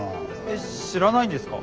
えっ知らないんですか？